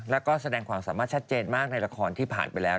แล้วก็แสดงความสามารถชัดเจนมากในละครที่ผ่านไปแล้ว